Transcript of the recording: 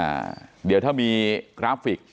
เป็นวันที่๑๕ธนวาคมแต่คุณผู้ชมค่ะกลายเป็นวันที่๑๕ธนวาคม